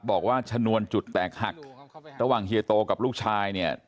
บอกว่าชนวนจุดแตกหักระหว่างเฮียโตกับลูกชายเนี่ย